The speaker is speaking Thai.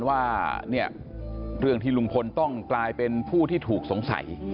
ว่าเนี่ยเรื่องที่ลุงพลต้องกลายเป็นผู้ที่ถูกสงสัย